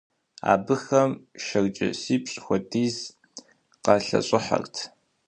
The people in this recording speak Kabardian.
Абыхэм шэрджэсипщӀ хуэдиз къалъэщӀыхьэрт.